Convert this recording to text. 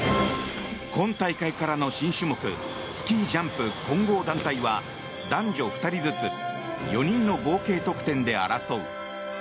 今大会からの新種目スキージャンプ混合団体は男女２人ずつ４人の合計得点で争う。